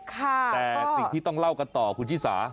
แต่สิ่งที่ต้องเล่ากันต่อคุณชิสา